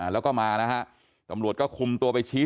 แล้วก็มานะฮะตำรวจก็คุมตัวไปชี้